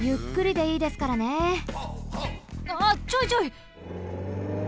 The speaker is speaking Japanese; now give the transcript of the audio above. ああちょいちょい！